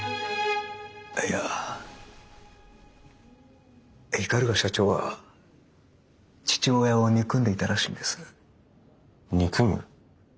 いや鵤社長は父親を憎んでいたらしいんです。憎む？